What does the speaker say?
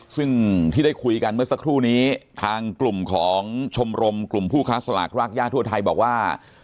ซึ่งที่ได้คุยกันเมื่อสักครู่นี้ทางกลุ่มของชมรมกลุ่มผู้ค้าสลากรากย่าทั่วไทยบอกว่า